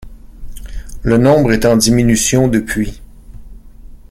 Le nombre est en diminution depuis.